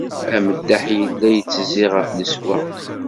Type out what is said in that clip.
Ameddaḥ yella itezzi ɣef leswaq.